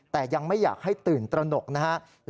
แต่ยังไม่อยากให้ตื่นตระหนกนะครับ